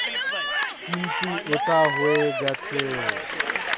কিন্তু এটা হয়ে গেছে।